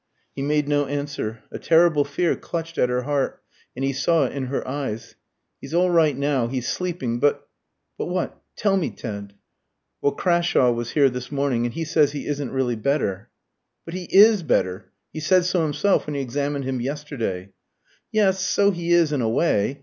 He made no answer. A terrible fear clutched at her heart, and he saw it in her eyes. "He's all right now; he's sleeping. But " "But what? Tell me, Ted." "Well, Crashawe was here this morning, and he says he isn't really better." "But he is better. He said so himself when he examined him yesterday." "Yes, so he is, in a way.